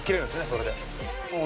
それで。